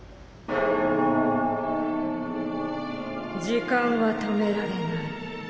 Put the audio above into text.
時間は止められない。